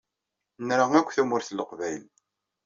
Nra akk Tamurt n Leqbayel.